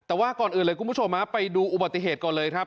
แต่ว่าก่อนอื่นเลยคุณผู้ชมไปดูอุบัติเหตุก่อนเลยครับ